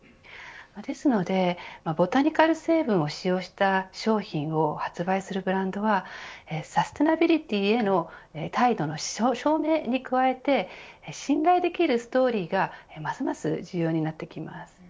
ですので、ボタニカル成分を使用した商品を発売するブランドはサステナビリティへの態度の証明に加えて信頼できるストーリーがますます重要になってきます。